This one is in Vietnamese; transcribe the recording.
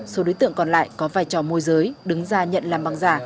số đối tượng còn lại có vai trò môi giới đứng ra nhận làm bằng giả